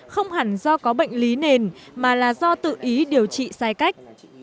không hẳn do có bệnh lý nền mà là do tự ý điều trị sai cách